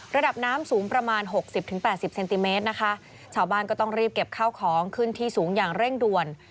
ระดับน้ำสูงประมาณหกสิบถึงแปดสิบเซนติเมตรนะคะชาวบ้านก็ต้องรีบเก็บข้าวของขึ้นที่สูงอย่างเร่งด่วน